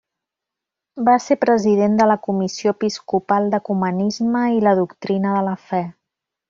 Va ser president de la Comissió Episcopal d'Ecumenisme i la Doctrina de la Fe.